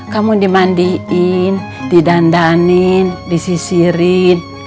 kamu dimandiin didandanin disisirin